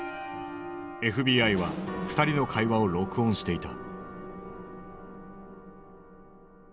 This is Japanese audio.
ＦＢＩは２人の会話を録音していた。